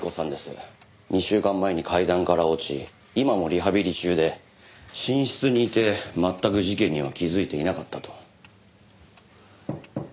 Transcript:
２週間前に階段から落ち今もリハビリ中で寝室にいて全く事件には気づいていなかったと。